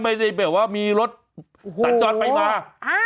ไม่ได้แบบว่ามีรถสัญจรไปมา